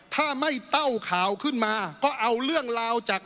ถ้าไม่เต้าข่าวขึ้นมาก็เอาเรื่องราวจาก